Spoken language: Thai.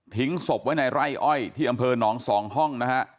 ศพไว้ในไร่อ้อยที่อำเภอหนองสองห้องนะฮะ